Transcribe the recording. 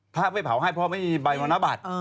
ถ้าไม่เผาให้เพราะไม่มีใบมรณบัตร